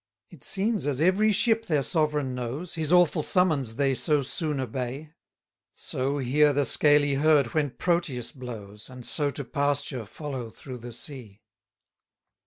15 It seems as every ship their sovereign knows, His awful summons they so soon obey; So hear the scaly herd when Proteus blows, And so to pasture follow through the sea.